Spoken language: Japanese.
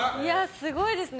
すごいですね。